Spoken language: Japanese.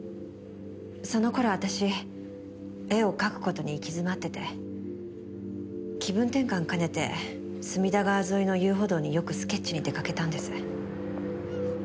その頃私絵を描く事に行き詰まってて気分転換兼ねて隅田川沿いの遊歩道によくスケッチに出かけたんです。